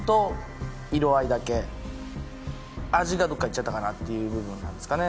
味がどっか行っちゃったかなっていう部分なんですかね